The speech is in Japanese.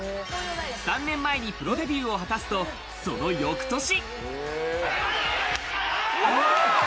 ３年前にプロデビューを果たすと、その翌年。